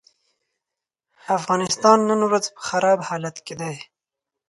افغانستان نن ورځ په خراب حالت کې دی.